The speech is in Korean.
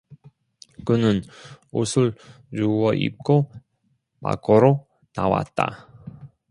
그는 옷을 주워 입고 밖으로 나왔다.